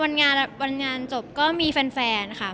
วันงานจบก็มีแฟนค่ะ